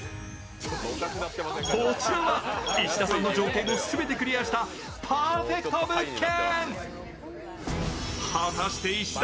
こちらは石田さんの条件を全てクリアしたパーフェクト物件。